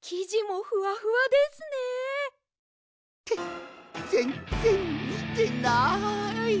きじもふわふわですね！ってぜんぜんみてない！